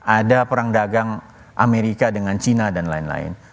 ada perang dagang amerika dengan cina dan lain lain